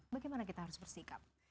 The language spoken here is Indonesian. bagaimana kita harus bersikap